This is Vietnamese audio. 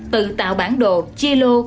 tự tạo bản đồ chia lô